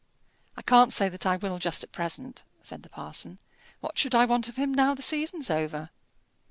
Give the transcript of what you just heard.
"I can't say that I will just at present," said the parson. "What should I want of him now the season's over?"